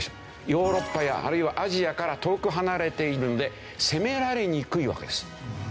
ヨーロッパやあるいはアジアから遠く離れているので攻められにくいわけです。